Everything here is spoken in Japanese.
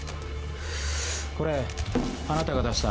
これあなたが出した？